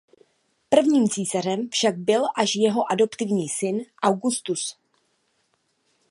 Prvním císařem však byl až jeho adoptivní syn Augustus.